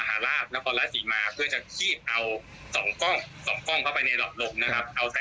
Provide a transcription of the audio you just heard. เขาเลยเอาขี้ออกมาก็เลยเอามาลงในเฟย์บุ๊คดูว่า